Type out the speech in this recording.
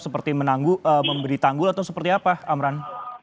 seperti memberi tanggul atau seperti apa amran